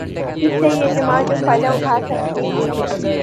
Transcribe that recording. اس سے یہ جماعت جو فائدہ اٹھا سکتی تھی